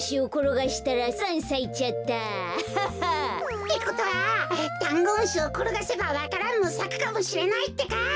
ってことはだんごむしをころがせばわか蘭もさくかもしれないってか。